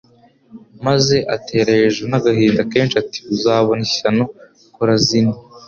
Maze atera hejuru n'agahinda kenshi ati: "Uzabona ishyano Korazini!